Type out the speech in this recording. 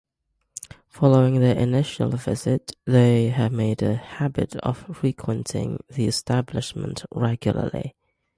Following their initial visit, they have made a habit of frequenting the establishment regularly.